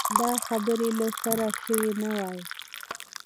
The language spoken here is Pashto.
دا خبرې له سره شوې نه وای.